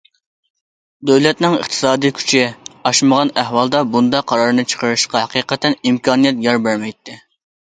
دۆلەتنىڭ ئىقتىسادىي كۈچى ئاشمىغان ئەھۋالدا بۇنداق قارارنى چىقىرىشقا ھەقىقەتەن ئىمكانىيەت يار بەرمەيتتى.